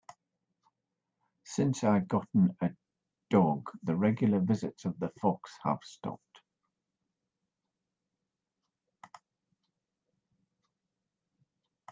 Since I've gotten a dog, the regular visits of the fox have stopped.